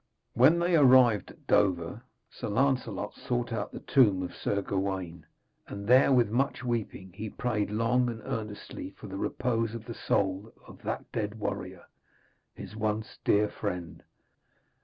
When they arrived at Dover, Sir Lancelot sought out the tomb of Sir Gawaine, and there with much weeping he prayed long and earnestly for the repose of the soul of that dead warrior, his once dear friend.